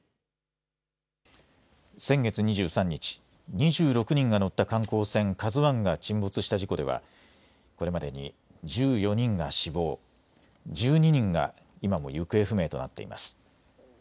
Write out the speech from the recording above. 先月２３日、２６人が乗った観光船ＫＡＺＵＩが沈没した事故ではこれまでに１４人が死亡、１２人が今も行方不明となっています。